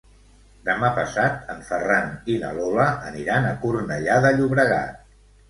Demà passat en Ferran i na Lola aniran a Cornellà de Llobregat.